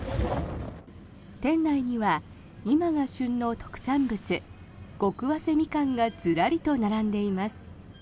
店内には今が旬の特産物極早生ミカンがずらりと並んでいます。